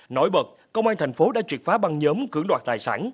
nổi bật công an thành phố đã triệt phá băng nhóm cưỡng đoạt tài sản